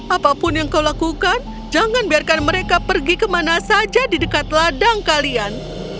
apapun yang kau lakukan jangan biarkan mereka pergi kemana saja di dekat ladang kalian